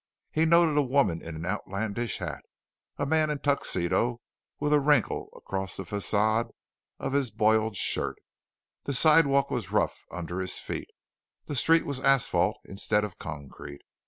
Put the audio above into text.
He noted a woman in an outlandish hat; a man in tuxedo with a wrinkle across the facade of his boiled shirt. The sidewalk was rough under his feet. The street was asphalt instead of concrete.